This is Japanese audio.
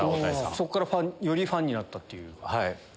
そっからよりファンになったという。